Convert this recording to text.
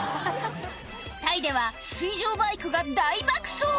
タイでは水上バイクが大爆走